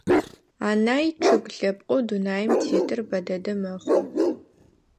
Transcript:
Анай чъыг лъэпкъэу дунаим тетыр бэ дэдэ мэхъу.